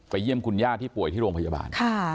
ไปเยี่ยมคุณหญ้าที่ป่วยที่โรงพยาบาลค่ะ